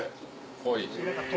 濃い。